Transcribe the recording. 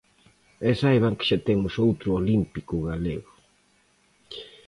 E saiban que xa temos outro olímpico galego.